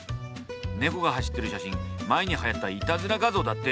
ネコが走ってる写真前にはやったイタズラ画像だって。